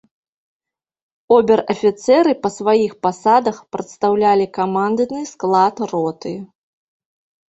Обер-афіцэры па сваіх пасадах прадстаўлялі камандны склад роты.